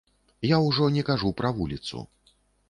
Я ўжо не кажу пра вуліцу.